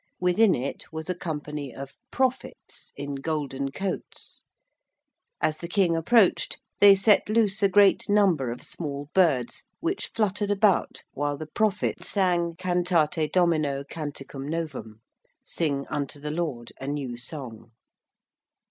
Within it was a company of 'prophets' in golden coats. As the King approached they set loose a great number of small birds, which fluttered about while the 'prophets' sung 'Cantate Domino canticum novum' 'Sing unto the Lord a new song.'